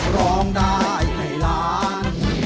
ร้องได้ให้ล้าน